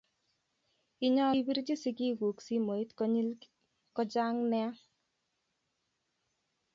Inyalu ibirchi sigig ku simoit konyil kochanga nea